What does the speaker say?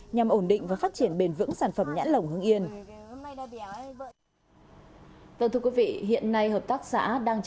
nhằm ổn định và phát triển bền vững sản phẩm nhãn lồng hưng yên